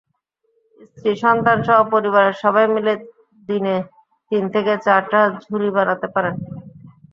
স্ত্রী-সন্তানসহ পরিবারের সবাই মিলে দিনে তিন থেকে চারটা ঝুড়ি বানাতে পারেন।